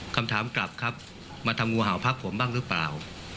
คำถามกลับครับมาทำงูเห่าพักผมบ้างหรือเปล่า